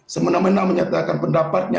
semena mena menyatakan pendapatnya